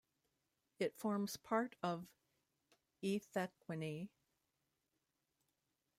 It forms part of eThekwini.